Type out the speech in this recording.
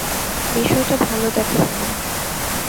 বিষয়টা ভালো দেখাবে না।